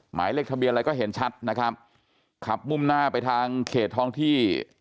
หมายเลขทะเบียนอะไรก็เห็นชัดนะครับขับมุ่งหน้าไปทางเขตท้องที่